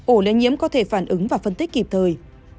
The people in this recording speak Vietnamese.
ổ lây nhiễm có thể phản ứng và phân tích kịp thời